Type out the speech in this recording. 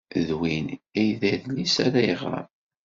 D win ay d adlis ara iɣer.